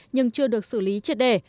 nhưng chưa được xử lý triệt đề